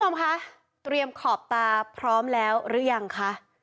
คุณผู้ชมคะเตรียมขอบตาพร้อมแล้วหรือยังคะ